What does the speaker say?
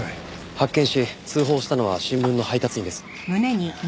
発見し通報したのは新聞の配達員です。